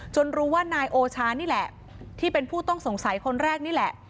รู้ว่านายโอชานี่แหละที่เป็นผู้ต้องสงสัยคนแรกนี่แหละ